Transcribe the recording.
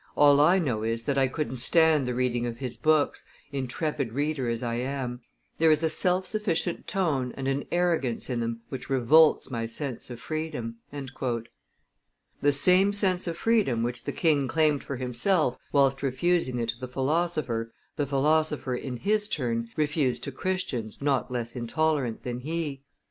All I know is that I couldn't stand the reading of his, books, intrepid reader as I am; there is a self sufficient tone and an arrogance in them which revolts my sense of freedom." The same sense of freedom which the king claimed for himself whilst refusing it to the philosopher, the philosopher, in his turn, refused to Christians not less intolerant than he.